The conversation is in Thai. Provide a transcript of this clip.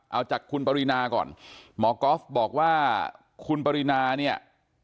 เอาจากคุณปรินาก่อนหมอก๊อฟบอกว่าคุณปรินาเนี่ย